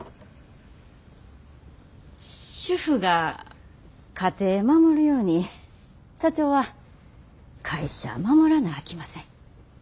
主婦が家庭守るように社長は会社守らなあきません。